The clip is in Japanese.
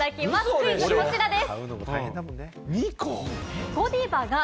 クイズはこちらです。